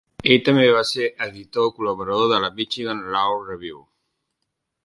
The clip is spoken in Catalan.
Ell també va ser editor col·laborador de la "Michigan Law Review".